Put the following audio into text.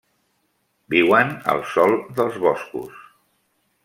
Viuen al sòl dels boscos.